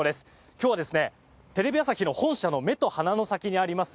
今日はですねテレビ朝日の本社の目と鼻の先にあります